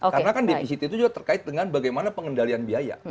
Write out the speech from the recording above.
karena kan defisit itu juga terkait dengan bagaimana pengendalian biaya